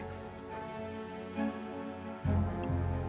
kau sudah bisa jadi umurku